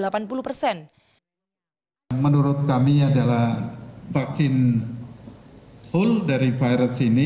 menurut kami adalah vaksin full dari virus ini